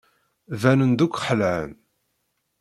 Banen-d akk xelɛen.